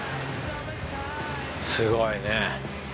すごいね。